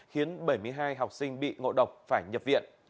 khiến bảy mươi hai học sinh bị ngộ độc phải nhập viện